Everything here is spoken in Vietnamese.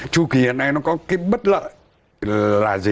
chu kỳ hiện nay nó có cái bất lợi là gì